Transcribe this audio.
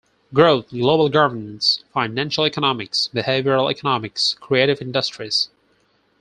Growth, global governance, financial economics, behavioral economics, creative industries.